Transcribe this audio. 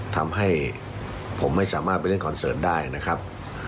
ทำให้ผมไม่สามารถไปเล่นคอนเสิร์ตได้นะครับ